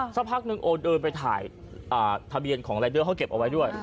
สักพักนึงโอนเดินไปถ่ายทะเบียนของรายเดอร์เขาเก็บเอาไว้ด้วย